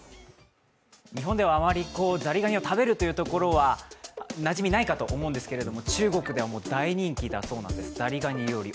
日本ではあまりザリガニを食べることはなじみないかと思うんですけれども、中国では大人気だそうなんですザリガニ料理